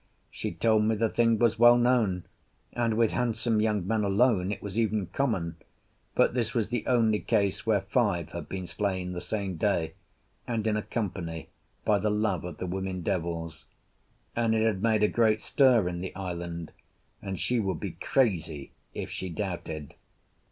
She told me the thing was well known, and with handsome young men alone it was even common; but this was the only case where five had been slain the same day and in a company by the love of the women devils; and it had made a great stir in the island, and she would be crazy if she doubted.